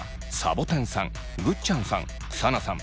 ぼてんさんぐっちゃんさんサナさん